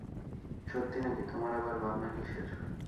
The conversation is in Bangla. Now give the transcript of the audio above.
সত্যি নাকি, তোমার আবার ভাবনা কিসের?